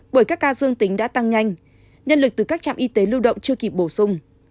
bởi các ca dương tính đã tăng nhanh nhân lực từ các trạm y tế lưu động chưa kịp bổ sung